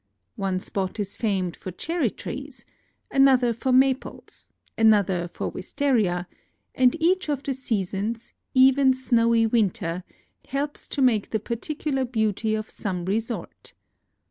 One spot is famed for cherry trees, another for maples, another for wistaria ; and each of the seasons — even snowy winter — helps to make the particular beauty of some resort.